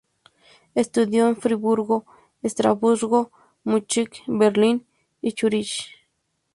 Estudió en Friburgo, Estrasburgo, Múnich, Berlín y Zúrich.